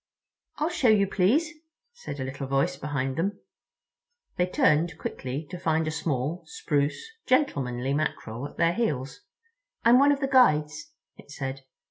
"I'll show you, please," said a little voice behind them. They turned quickly to find a small, spruce, gentlemanly Mackerel at their heels. "I'm one of the Guides," it said.